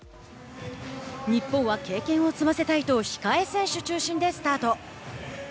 日本は経験を積ませたいと控え選手中心でスタート。